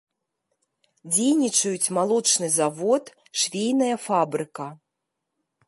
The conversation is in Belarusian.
Дзейнічаюць малочны завод, швейная фабрыка.